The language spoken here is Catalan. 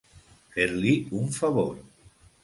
Fer-li un favor.